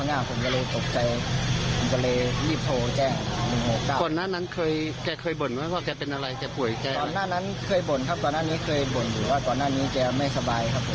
แน่ใจครับผมเห็นแค่อาเจียนมีเลือดอย่างนี้ครับ